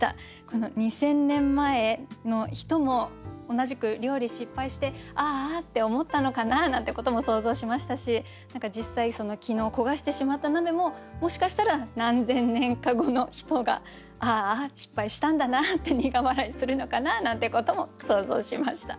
この２，０００年前の人も同じく料理失敗して「ああ」って思ったのかな？なんてことも想像しましたし何か実際昨日焦がしてしまった鍋ももしかしたら何千年か後の人が「ああ失敗したんだな」って苦笑いするのかななんてことも想像しました。